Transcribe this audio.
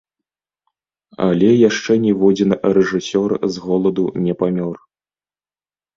Але яшчэ ніводзін рэжысёр з голаду не памёр!